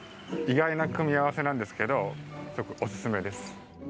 意外な組み合わせなんですけどちょっとおすすめです。